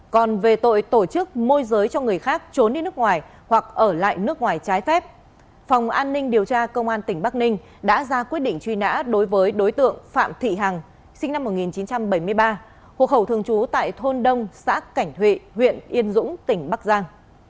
công an ninh điều tra công an tỉnh bắc ninh đã ra quyết định truy nã đối với đối tượng phạm thị hằng sinh năm một nghìn chín trăm bảy mươi ba hộ khẩu thường trú tại thôn đông xã cảnh thụy huyện yên dũng tỉnh bắc giang